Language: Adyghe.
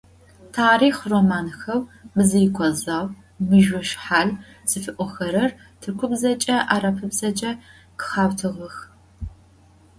Tarixh romanxeu «Bzıikho zau», «Mızjoşshal» zıfi'oxerer tırkubzeç'e, arapıbzeç'e khıxautığex.